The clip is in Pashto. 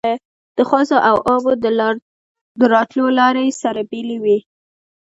د خاصو او عامو د راتلو لارې سره بېلې وې.